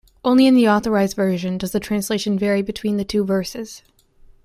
Only in the Authorized Version does the translation vary between the two verses.